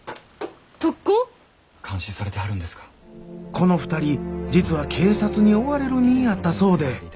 この２人実は警察に追われる身やったそうで。